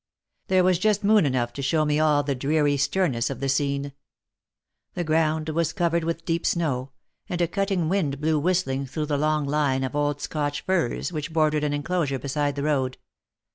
There was just moon enough to show me all the dreary sternness of the scene. — The ground was covered deep with snow, and a cutting wind blew whistling through the long line of old Scotch firs which bordered an enclosure beside the road.